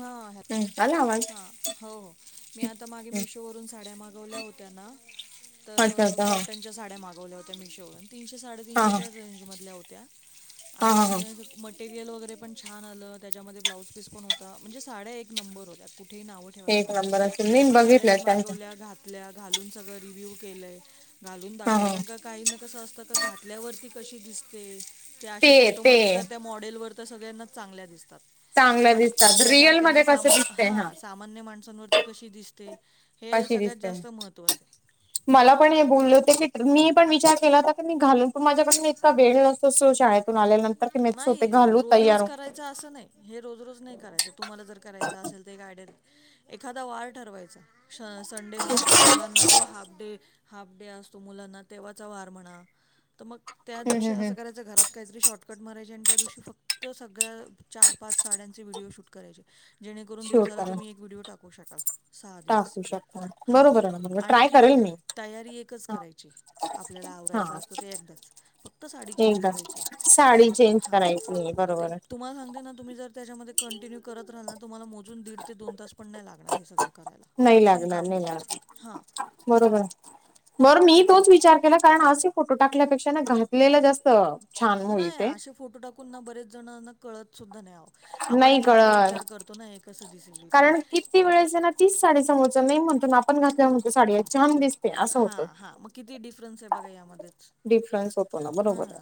हा ह. हम्म आला आवाज हां, हो हो मी आता मागे हम्म मिशोवरून साड्या मागवल्या होत्या ना. तर अच्छा अच्छा कॉटन च्या साड्या मागवल्या होत्या मिशोवन तीनशे हा साडेतींनशे हा च्या रेंज मधल्या होत्या, हा हा हा हा आणि मटेरियल वगैरे पण छान आलं त्याच्यामध्ये ब्लाऊज पीस पण होता म्हणजे साड्या एक नंबर होत्या. कुठे नावं ठेवला एक जाणार. नंबर म असेल मी त्या पण साड्या बघितलं मी त्यांच मागवल्या घात तल्या घालुन सगळं रिव्ह्यू केलय, घालुन हा दाखवलय हा काही ना कसं असतं का घातल्यावरती कशी दिसते. त्या ते अशी ते फोटोमध्ये तर त्या मॉडेलवर त सगळ्यांनाच चांगल्या दिसतात. चांगल्या पण दिसतात. रिअल मध्ये कस दिसतय हां. मान्य माणसांवरती कशी दिसते. हे कशी सगळ्यात दिसते जास्त महत्वाचंय. मला पण हे बोलले होते की, मी पण विचार केला होता की मी घालून त माझ्याकडन इतका वेळ नसतो सो शाळेतून आल्यानं नाही रोज रोज करायच असं नाही. हे रोज रोज नाही करायच. तुम्हाला जर करायचं असेल, [unintelligible] एखादा वार ठरवायचा. श संडे म्हणा. किंवा मुलांना जो हाफ डे हाफ डे असतो मुलांना तेव्हाचा वार म्हणा. त मग त्या हम्म दिवशी हम्म हम्म असं करायच. घरात काहीतरी शॉर्टकट मारायचे. आणि त्या दिवशी फक्त सगळ्या चार पाच साड्यांचे व्हिडिओ शूट करायचे. जेणेकरून शिव दिवसाला करा तुम्ही एक व्हिडिओ टाकू शकाल. सहा दिवस. टाकू शकता हां. बरोबर आहे ना बरोबर आणि ट्राय करेल किती मी तयारी एकच हा करायची. आपल्याला हा आवरायचं असतं ते एकदाच. फक्त साडी चेंज एकदा करायचीये. साडी चेंज करायचीये. बरोबरे. तुम्हाला सांगते ना, तुम्ही जर त्याच्यामध्ये कंटिन्यू करत राहाल ना. तुम्हाला मोजून दीड ते दोन तास पण नाही लागणार. हे सगळ नाही लागणार नाही लागणार. बरोबरे. बर त्या मी तोच विचार केला. कारण असे फोटो टाकल्यापेक्षा ना, घातलेलं जास्त छान होईल नाय ते आशे फोटो टाकून ना. बरेच जणांना कळत सुद्धा नाय आहो. नाही आपणच एकदा कळत विचार कर तो ना. हे कस दिसेल? काय कारण किती वेळेसेना त्यांना तीच साडी समोरचा नाही म्हणतो. अन आपण घातल्या वर म्हणतो साडी अशी हां हा म किती डिफरन्से बघा या मध्येच. डिफरन्स होतो ना. बरोबरे.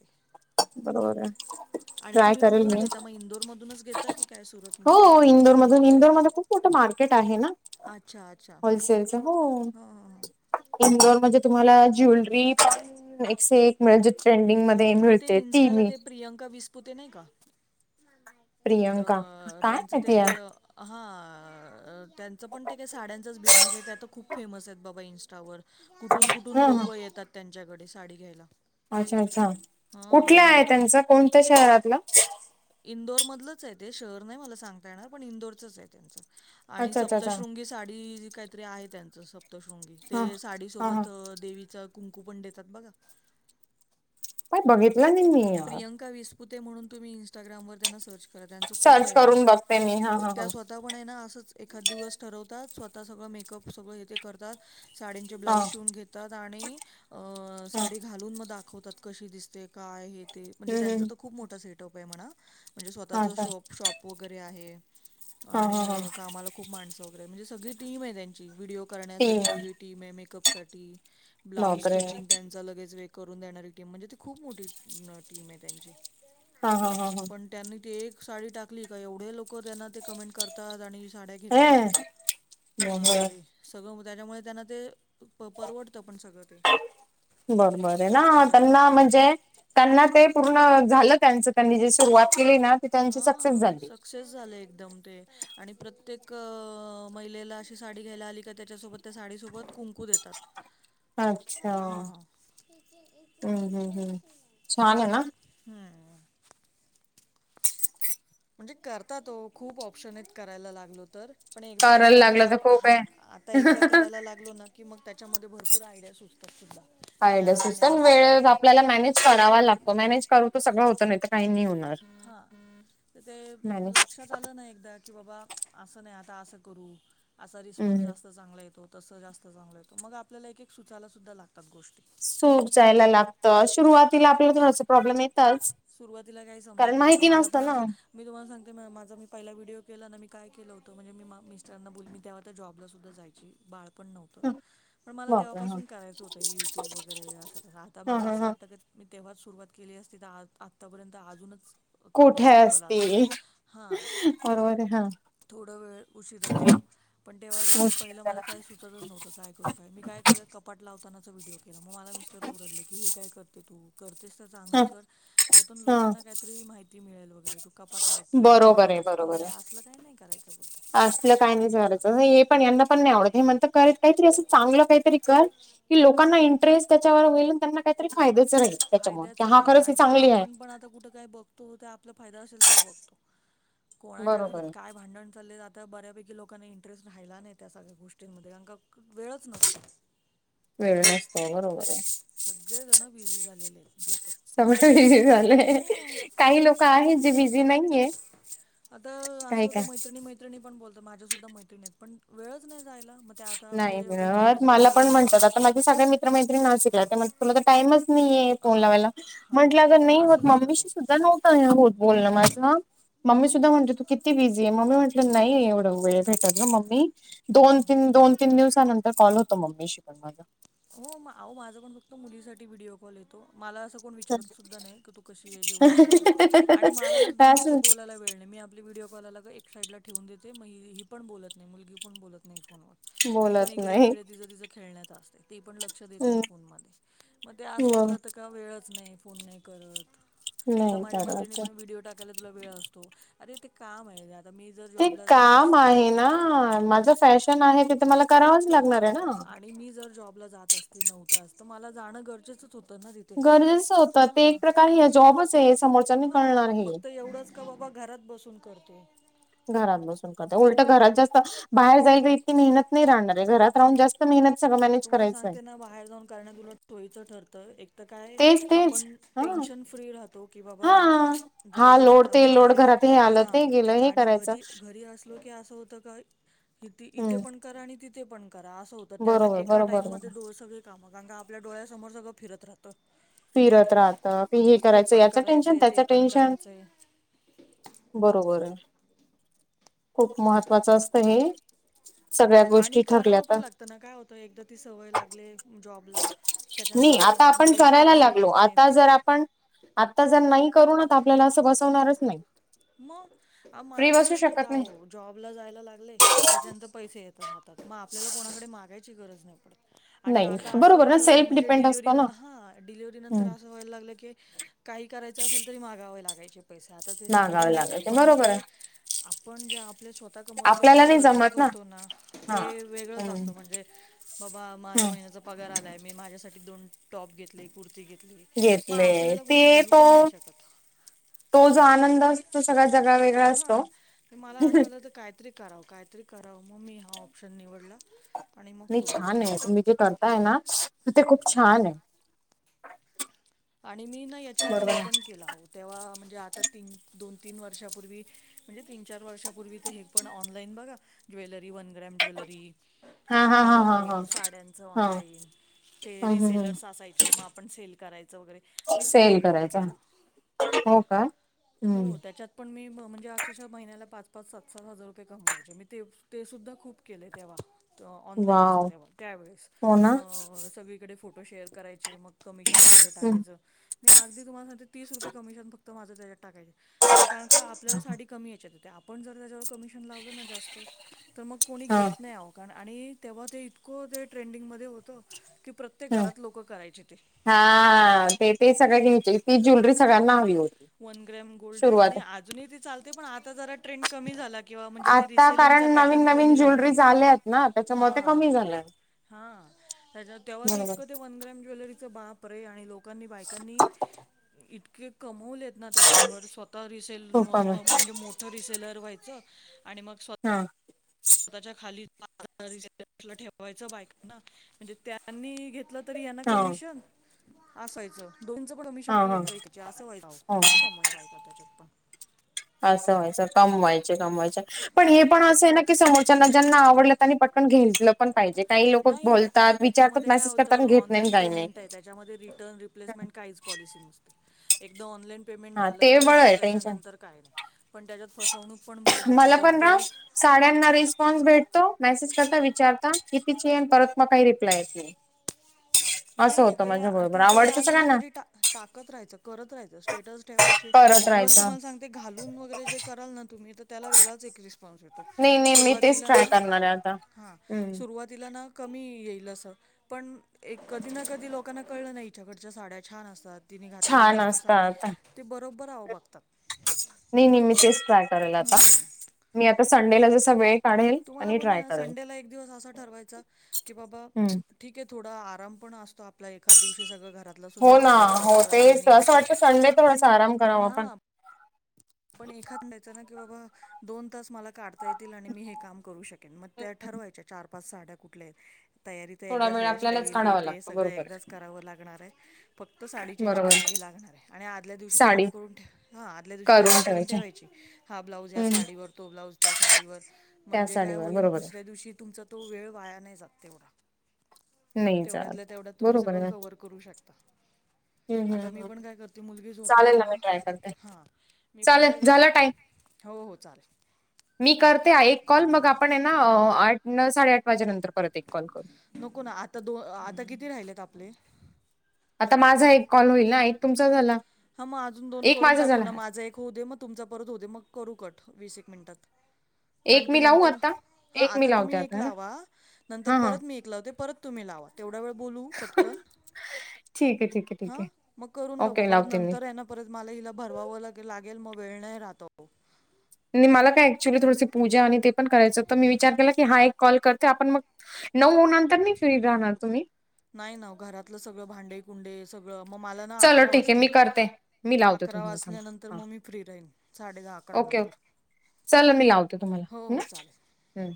ते बरोबरे. आणि तुम्ही कुठून घेता म? इंदोरमधूनच घेता की, काय सुरत हो इंदोर मधून. इंदोरमध्ये खूप मोठं मार्केट आहे ना. अच्छा अच्छा होलसेलच. हो. हां हां हां इंदोर मध्ये तुम्हाला ज्वेलरी पण एकसे एक मिळेल. जे ट्रेंडिंगमध्ये मिळते. ती मी प्रियांका विस्पुते नाही का? प्रियंका काय त्यांचं ते माहिती ह अ हां, त्यांचं पण ते काय साड्यांचाच बिझनेसे. त्या त खूप फेमसे बाबा इंस्टावर. कुठून कुठून ह लोक येतात त्यांच्याकडे. साडी घ्यायला. अच्छा अच्छा. हां कुठल्या आहे इंदोर त्यांच? कोणत्या शहरातलं? इंदोर मधलंचे ते. शहर नाही मला सांगता येणार. पण इंदोरचंचे त्यांचं. आणि अच्छा अच्छा अच्छा सप्तशृंगी साडी काहीतरी आहे त्यांच. सप तशृंगी. हा ते साडी हा हा सोबत देवीच कुंकू पण देतात बघा. काय बघितलं नाही मी. यार. प्रियंका विसपुते म्हणून तुम्ही इंस्टग्रामवर त्यांना सर्च क बर त्यांच सर्च खूपये आओ. करून बघते मी हा हो हा हा त्या स्व ता पणे ना असंच एखाद दिवस ठरवतात. स्वतः सगळं मेकअप सगळं हेथे करतात. साडचे हा ब्लाऊज शिवून घेतात. आणि अ हा साडी घालून मग दाखवतात. कशी दिसते काय हे ते. म्हणजे हम्म त्यांचा हम्म त खूप मोठा सेटअपे म्हणा. म्हणजे हा स्वतःच का शोप शॉप वगैरे आहे. हा हा आणि हा कामाला खूप माणसं वगैरे. म्हणजे सगळी टीम आहे त्यांची. व्हिडओ तीन करण्यासाठी वेगळी टीमे. मेकअप साठी, ब्लाउज बापरे स्टिचिंग त्यांन च लगेच वे करून देणारी टीम. म्हणजे ती खूप मोठी टीमे त्यांची. हा हा. ह ह. पण त्यांनी ते एक साडी टाकली का, एवढे लोक त्यांना ते कमेंट करतात. आणि साड्या हे येतात. बर बापरे. सगळं. त्याच्यामुळे त्यांना ते प परवडतं पण सगळं ते. बरं बर आहे ना करायला त्यांना म्हणजे त्यांना ते पूर्ण झालं त्यांच त्यांनी जे सुरुवात केली ना ते त्यांची सक्सेस झाली. तसचं झाल एकदम ते आणि प्रत्येक महिलेला अशी साडी घ्यायला आली का त्याच्यासोबत. त्या साडीसोबत कुंकू देतात. अच्छा हम्म हां हम्म हम्म छान आहे ना. हम्. म्हणजे करतात हो खूप ऑप्शन आहेत करायला लागलो तर. पण एकदा करायला त्याच्यामध्ये लागलं तर आप खूप हा आता एकदा आहे करायला लागलो ना. की मग त्याच्यामध्ये भरपूर आयडिया सुचतात सुद्धा. की काय डस असं [unintelligible] नाही पण असं वेळ करायचं आपल्याला मॅनेज करावा लागतो मॅनेज करू तर सगळं होतं नाही तर काही नाही होणार. हा ते मॅनेज लक्षात आलं ना एकदा की की बाबा असं नाही आता असं करू असा रिस्पॉन्स हम्म जास्त. चांगला येतो तसं जास्त चांगलं येतो मग आपल्याला एक एक सुचायला सुद्धा लागतात गोष्टी. सुच यला लागतं हां सुरुवातीला आपल्याला थोडस प्रॉब्लेम येतच. तिला काही समजत कारण नाही आता माहिती मला नसतं ना. आज मी तुम्हाला सांगते म माझ मी पाहिला व्हिडिओ केला ना मी काय के होत म्हणजे मी मिसटराना बोल मी तेव्हा त्या जॉबला सुद्धा जाय बाळपण् नव ह [unintelligible] पण मला बापरे हा. तेव्हापासून करायचं होतं हे युट्यूब वगैरे असं आता हा मला हा असं हा वाटतं कने मी तेव्हाच सुरुवात केली असते तर आ आतापर्यंत अजूनच चांगलं कोठे स्टेबल असते असत हा. बरोबर आहे हा थोडं वेळ उशीरच झालं पण तेव्हा मी पहिलं मुश्किल मला काय सुच. च नव्हत काय करूय मी काय केलं कपाट लावतानाच व्हिडियो [unintelligible] मग म मिस्टर ओरडले की हे काय करते तू करतेस तर हा चांगलं कर ज्यातून लोक. हा काहीतरी माहिती मिळेल वगैरे तु काय. [unintelligible] पट लावते बरोबर भांडी आहे घासते बरोबर हे आहे. असलं काय नाही करायचं बोलते असलं काही नाही हा. करायचं हे पण यांना पण नाही आवडत हे म्हणत करत काहीतरी असं चांगलं काहीतरी कर. कि लोकांना इंटरेस्ट त्याच्यावर व्हील त्यांना काहीतरी फायदे हो. फायद्याच राहील कारण का आपण पण आता कुठं काय बघो तो तू आपला फायदा असेल तर बघतो कोणाच्या बरोबर घरात आहे. काय? भांडण चाललेलं आता बऱ्यापैकी लोकांनी इंटरेस्ट राहिला नाही त्या सगळ्या गोष्टींमध्ये कारण का वेळच नसतो. वेळ नसतो होय बरोबर आहे. सगळेजण बिझी झालेले आहेत जो तो सगळ बिझी झालं हो काही लोक आहेत जे बिझी नाहीेयेत. आता असं होतं मैत्रणी मैत्रिणी पण बोलत माझ्यासूद्धा मैत्रिणीत पण वेळच नाही जायला. ते आता नाही आपले व्हिडिओ मिळत येतात मला हे पण म्हणतात आता येतात माझे सगळ्या मित्र मैत्रीणी नाशिक ल आहेत ते त्यामुळे तुला तर टाइमच नाहीय फोन हां लावायला हां म्हटल नाही होत असंच होतं ते मम्मीशी सुद्धा न नाय होत बोलण माझं. मम्मी सुद्धा म्हणते तू किती बिझी आहे मम्मी म्हटलं नाही एवढं वेळ भेटत ना मम्मी. दोन हम्म तीन दोन तीन दिवसानंतर कॉल होतो मम्मीशी पण मला हो आ माझं पण फक्त मुलीसाठी व्हिडिओ. ल येतो मला असं कोण विचारत सुद्धा नाही की तू कशी आहे जेवली क काय? आणि मला सुद्धा मग ते असं बोलायला वेळ नाही मी आप आपली व्हिडिओ कॉल लागंल एक साईडला ठेवून देते मग ही पण बोलत नाही मुलगी पण बोलत नाही फोनवर. ती पण बोलत इकडे नाही. तिकडे तिचं तिचं खेळण्यात. ते पण लक्ष देत नाही हम्म फोनमध्ये मग ते असं होऊन ब जातं का वेळ. च नाय फोन नाय करत आत्ता नाही माझ्या मैत्रीणी करायचं पण व्हिडियो टाक तेला तुला वेळ असतो, अरे ते काम हाय. ते काम आहे ना, हां माझं फॅशन आहे तिथ मला करावंच लागणार हां आहे ना. मी जर जॉबला जात असती नव्हतं असत तर मला जाणं गरजेचंच होतं. तण तिथे गरजेचं होतं ते हा- एक प्रकार हे जॉबच आहे समोरच्यानी हा कळणार हे. फक्त एवढच. क बाबा घरात बसून करते. घरात बसून क कते, उलटं घरात जास्त बाहेर जायला इतकी मेहनत नाही राहणार आहे घरात राहून जास्त मेहनत सगळ मॅनेज तुम्हाला करायचय. [inaudible] बाहेर जाऊन. करन तुला उलट सोईचं ठरतं. त काय तेच तेच आपण हा टेन्शन फ्री राहतो, की बाबा हा. हा जाऊद्या लोड आता ते मी लोड आले. घरात हे आलं हा ते गेलं हे आणि करायचं घरी-घरी असलो की, असं होतं का इथे हम्म पण करा आणि तिथे पण करा असं हो बरोबर! एका बरोबर टाइम मध्ये बरोबर. डो सगळे कामं, कका आपल्या डोळ्यासमोर सगळ फिरत राहतं. फिरत राहत, की हे करायचं पण याच टेन्शन करायचंय ते त्याच पण टेन्शन. करायचंय बरोबर हाय. खूप महत्त्वाचं असतं हे. सगळ्या आणि गोष्टी ठरल्या करावं पण तर लागतं ना, काय होतं एकदा ती सवय लागली जॉबला त्याच्यानंतर मी, आता अचानक मग आपण ते करायला पैसे लागलो, येत नाहीत आता जर पण, आता जर नाही करू तर आपल्याला असं बसवणारच नाही. मग फ्री मला तर बसू तेच होत शकत नाही. आव. जॉबला जायला लागले, त्याच्यानंतर पैसे येतात हातात, मग आपल्याला कोणाकडे मागायची गरज नाही पडत. आणि नाही आता असं बरोबर ना होत, सेल्फ म्हणजे डिपेंड डिलव्हरी असतो ना. हा डिलिव्हरी नंतर हम्म अस व्हायला लागल की काही करायचं असेल तरी मागावे लागायचे पैसे आता ते समोरून मागावं देतात लागत पण मग बरोबर आहे ते आपण जे आपले स्वत आता कमवलेले आपल्याला पैसे नाही खर्च जमत करतो ना ते हा. वेगळंच हम्म. असतं म्हणजे बाबा माझ्या महिन्याचा पगार आलाय मी माझ्यासाठी दोन टॉप घेतले कु ती घेतली मग घेतले आपल्याला कोणी ते बोलू तो पण नाही शकत हा. [unintelligible] असतो सगळा जगावे हा मला असं झालं तर काहीतरी करावं कायतरी करावं, मग मी हा ऑप्शन निवडला आणि मग सुरुवात केली यात. हो ना तिथे खूप छान हाय. आणि मी ना याच्या आधी हे पण केलं, तेव्हा म्हणजे आता ती-दोन तीन वर्षापूर्वी म्हणजे तीन- चार वर्षांपूर्वी ते हे पण ऑनलाईन बघा, ज्वेलरी वन ग्रॅम ज्वेलरी हा हा हा हा परत हा साड्यांचं हा. ऑनलाइन. ते हम्म हम्म रिसेलर्स असायचे, मग आपण सेल करायचं वगैरे.. मी ते सेल पण खूप करायच. केलं हो का? हम्म हो त्याच्यात पण मी म म्हणजे अक्षरशा महिन्याला पाच- पाच सात- सात हजार रुपये कमवायचे. मी ते- तेसुद्धा खूप केलय तेव्हा ऑनलाईनच वाव तेव्हा त्या वळेस हो ना म-सगळीकडे फोटो फोटो शेअर करायचे मग कमिशन आपलं हं टाकायचं. मी अगदी तुमला सांगते तीस रुपये कमिशन फक्त माझ तेज्यात टाकायचे कारण का आपल्याला साडी कमी याच्यात इतय, आपण जर त्याच्या कमिशन लावल ना जास्त तर मग कोणी हा घेत नाय आवो. कारण आणि तेव्हा ते इतकं जे ट्रेंडिंगमध्ये होतं की प्रत्येक हं घरात लोकं करायचे ते. हा ते-ते सगळं घ्यायचे, ती ज्यूलरी सगळ्यांना हावी हो वन ग्रॅम गोल्ड आणि अजूनही ते चालते, पण आता जरा ट्रेंड कमी झाला किंवा म्हणजे ते आता कारण रिसेलिंगचा नवीन पॅटर्न कमी नवीन झालाय, ज्वेलरीज आल्यात ना त्याच्यामुळे ते हा.. कमी झालंय हा त्याच्या तेव्हा तर बरोबर इतकं ते, वनग्राम ज्वेलरीच बापरे, आहे आणि लोकांनी बायकांनी इतके कमवले. ना त्याच्यावर स्वतः रिसेल सोपा मग म्हणजे मोठं रिसेलर व्हायचं आणि मग स्वत हा स्वतःच्या खाली ठेवायच. बायक ना म्हणजे त्यांनी घेतलं, तर यांना हा कमिशन असायचं. दोनचं पण हा कमिशन हा एक बाईकचे असं व्हायच हो खूप काम बायकांनी त्याच्यात पण, असं व्हायचं कमवायच. कमवायचं पण हे पण असं आहे ना, की समोरचा ज्यांना आवडलं त्यांनी पटकन घेईन. नाही आणि विचारतात त्याच्यामध्ये काय मेसेज होत करतात घेत नाही ऑनलाईन काही नाही पेमेंट आहे. त्याच्यामध्ये रिटर्न, रिप्लेसमेंट काहीच पॉलिसी नसते. एकदा ऑनलाईन पेमेंट हा झालं ते का बळ झालं आहे टेन्शन त्याच्यानंतर काय नाही. पण त्याच्यात फसवणूक पण बरेच होते. मला जर पण ना ते साड्यांना रिस्पॉन्स भेटतो, मेसेज करता विचारता कितीची हे परत मग काही रिप्लायच अस नाही. असं नाही होतं ते माझ्या बरोबर ते जरी आवडतं आलं ना सगळ्यांना तरी, टाकत रायच करत राहायच. स्टेटस ठेवायचे करत इव्हन राहायचं तुम्हाला सांग ते घालून वगैरे जे कराल ना तुम्ही, तर त्याला वेगळाच एक रिस्पॉन्स येतो. नाही नाही मी तेच सुरुवातीला ट्राय ना करणार आहे आता हा सुरुवात हम्म सुरुवातीला ना कमी येईल अस, पण एक कधी ना कधी लोकांना, कळलं नाही हिच्याकडच्या साड्या छान असतात तिने घातलेली छान मस्त साडी असतात ते बरोबर आवं बगतात [unintelligible] नाही नाही मी तेच ट्राय करेल आता, मी आता संडेला जसा वेळ काढेल तुम्हाला आणि बोलले ट्राय ना करेल संडेला एक दिवस असा ठरवायचा की [unintelligible] बाबा हम्म ठीक आहे. थोडा आराम पण असतो आपल्या एखाद दिवशी सगळं घरात आपलं सुद्धा हो ना आवरायचं हो असतं तेच क्लिनिंग असं येते वाटतं संडे पण थोडासा आराम करावा आपण हा पण एखाद म्हणयच ना की बाबा दोन तास मला काढ येतील आणि मी हे काम करू शकेन. मग त्या ठरवायच्या चार पाच साड्या कुठल्या आहेत. तयारी तर थोडा एकदाच वेळ आपल्यालाच हेअरस्टाईल हेे काढावा ते लागतो सगळं बरोबर एकदाच करावं लागणार आहे. फक्त साडी चेंज बरोबर करावी लागणार आहे. आणि आदल्या दिवशी साडी तयारी करून, ठे हा आदल्या दिवशी तयारी करून ठेवायची, हा ब्लाउज या हम्म साडीवर, तो ब्लाऊज त्या साडीवर, त्या म्हणजे काय साडीवर होईल, बरोबर दुसऱ्या दिवशी तुमचा तो वेळ वाया नाही जात तेवढा, नाही तेवढ्यातल्या जात तेवढ्यात तुम्ही बरोबर सगळं ना कव्हर करू शकता. हम्म आता हम्म मी हम्म. पण काय करते, मुलगी झोपणार चालेल ना, मी ट्राय करते हा मी पण चालेल काय करते, झाला टाइम हो हो चालेल. मी करते एक कॉल मग आपण आहे. ना आठ साडेआठ वाजे नंतर करत एक कॉल करू, नको ना आता दो आता किती राहिलेत आपले आता माझा एक कॉल होईल ना, एक तुमचा झाला हा मग अजून दोन एक करून माझा टाकू झाला ना, माझा एक होऊ दे मग तुमचा परत हो दे मग करू कट वीस एक मिनिटात कारण एक की, मी लावू नंतर आता हा एक मी आता तुम्ही लावते एक है ना लावा, नंतर हा हा परत मी एक लावते. परत तुम्ही लावा, तेवढा वेळ बोलू पटकन ठीक आहे ठीक आहे हा ठीक आहे मग करून बघू ओके परत लावते नंतर मी त्यानं परत मला हिला भरवावं लागे लागेल, मग वेळ नाही राहत ओ, आणि मला काय ऍक्च्युली थोडडीस पूजा आणि ते पण करायचं तर मी विचार केला की, हा एक कॉल करते आपण मग नऊ नंतर नाही फ्री राहणार तुम्ही. नाही ना वो घरातलं सगळं भांडे. कुंडे सगळं मग मला ना चलो अकरा ठीक आहे मी वाजतील करते मी लावते अकरा तुम्हाला वाचल्यानंतर थांबा हा मग मी फ्री राहीन. साडे दहा ओके अकरा ओके नंतर. चला मी लावते तुम्हाला हो ना चालेल हम,